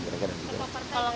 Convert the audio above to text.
ketua partai dari koalisi bersatu